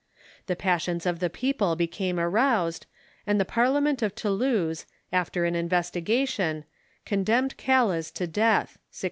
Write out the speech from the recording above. The passions of the people became aroused, and the Parliament of Toulouse, after an investigation, condemned Calas to death (1672).